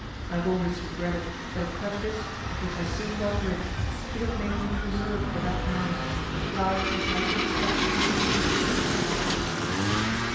I have always regretted that a prejudice, of which I soon got rid, should have made me preserve for that man a flower which I could have plucked so easily.